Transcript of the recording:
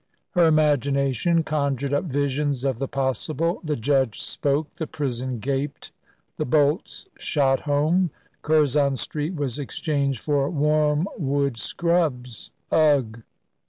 Her imagination conjured up visions of the possible. The judge spoke, the prison gaped, the bolts shot home, Curzon Street was exchanged for Wormwood Scrubbs. Ugh!